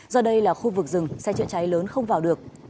do đây là khu vực rừng xe chữa cháy lớn không vào được